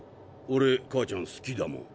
オレ母ちゃん好きだもん。